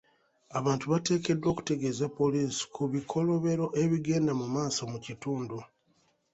Abantu bateekeddwa okutegeeza poliisi ku bikolobero ebigenda mu maaso mu kitundu .